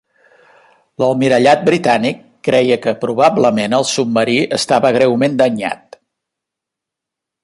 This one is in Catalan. L'Almirallat Britànic creia que probablement el submarí estava greument danyat.